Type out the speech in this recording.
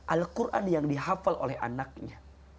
alquran yang dihafal oleh anaknya